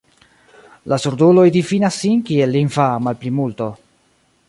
La surduloj difinas sin kiel lingva malplimulto.